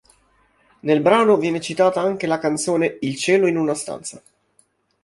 Nel brano viene citata anche la canzone "Il cielo in una stanza".